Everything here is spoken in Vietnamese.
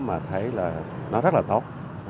mà thấy là nó rất là tốt